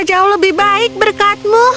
aku merasa jauh lebih baik berkatmu